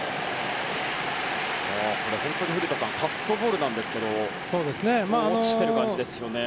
本当に古田さんカットボールなんですが落ちている感じですよね。